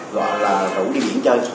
gọi là hữu đi biển chơi